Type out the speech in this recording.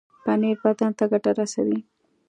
پنېر بدن ته ګټه رسوي.